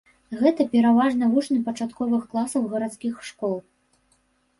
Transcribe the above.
Гэта пераважна вучні пачатковых класаў гарадскіх школ.